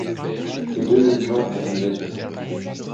Les deux jeunes gens ont une liaison.